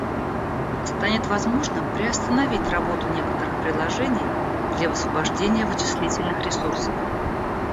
Станет возможным приостановить работу некоторых приложений для высвобождения вычислительных ресурсов